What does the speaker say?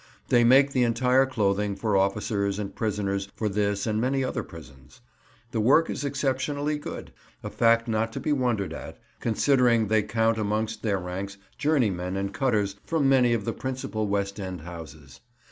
They make the entire clothing for officers and prisoners for this and many other prisons. The work is exceptionally good—a fact not to be wondered at, considering they count amongst their ranks journeymen and cutters from many of the principal West end houses.